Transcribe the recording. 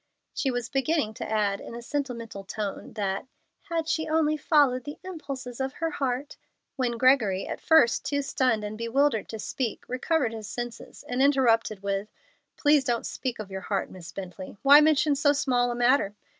She was beginning to add, in a sentimental tone, that "had she only followed the impulses of her heart" when Gregory, at first too stunned and bewildered to speak, recovered his senses and interrupted with, "Please don't speak of your heart, Miss Bently. Why mention so small a matter?